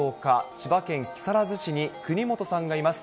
千葉県木更津市に国本さんがいます。